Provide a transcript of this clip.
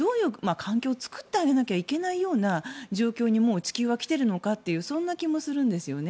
環境を作ってあげなきゃいけないような状況に地球は来ているというそんな気もするんですよね。